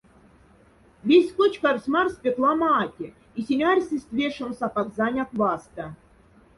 Весть кочкавсь марс пяк лама атя и синь арьсесть вешемс апак заняк васта.